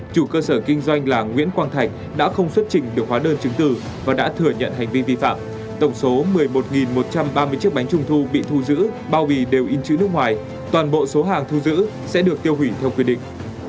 chủ cơ sở kinh doanh là nguyễn quang thành đã không xuất trình được hóa đơn chứng từ và đã thừa nhận hành vi vi phạm tổng số một mươi một một trăm ba mươi chiếc bánh trung thu bị thu giữ bao bì đều in chữ nước ngoài toàn bộ số hàng thu giữ sẽ được tiêu hủy theo quy định